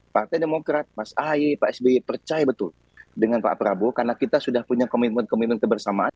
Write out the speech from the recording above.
partai demokrat mas ahaye pak sby percaya betul dengan pak prabowo karena kita sudah punya komitmen komitmen kebersamaan